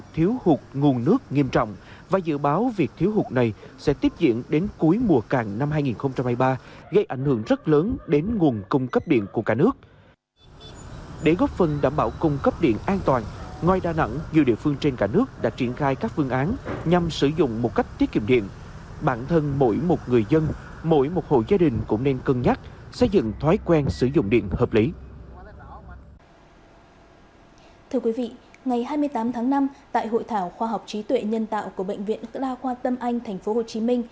thưa quý vị ngày hai mươi tám tháng năm tại hội thảo khoa học trí tuệ nhân tạo của bệnh viện đa khoa tâm anh tp hcm